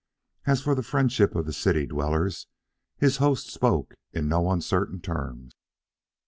As for the friendship of the city dwellers, his host spoke in no uncertain terms.